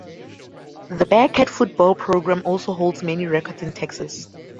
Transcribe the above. The Bearcat football program also holds many records in Texas.